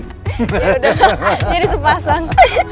yaudah jadi sepasang